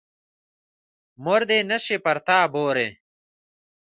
مور دې نه شي پر تا بورې.